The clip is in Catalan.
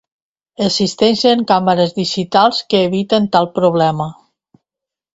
Existeixen càmeres digitals que eviten tal problema.